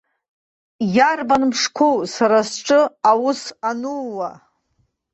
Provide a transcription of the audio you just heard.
Иарбан мшқәоу сара сҿы аус анууа?